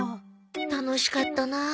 楽しかったなあ